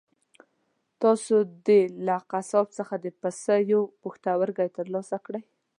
تاسو دې له قصاب څخه د پسه یو پښتورګی ترلاسه کړئ.